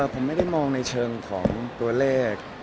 ผมไม่ได้มองในเชิงของตัวเลข